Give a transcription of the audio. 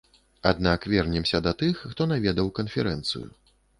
Аднак вернемся да тых, хто наведаў канферэнцыю.